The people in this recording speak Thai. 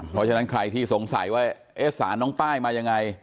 เพราะฉะนั้นใครที่สงสัยว่าเอ๊ะสารน้องป้ายมายังไง